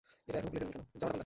এটা এখনও খুলে ফেলোনি কেন?